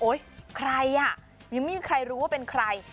ใครอ่ะยังไม่มีใครรู้ว่าเป็นใคร